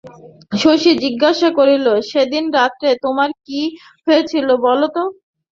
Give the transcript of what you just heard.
শশী জিজ্ঞাসা করিল, সেদিন রাত্রে তোমার কী হয়েছিল বলো তো?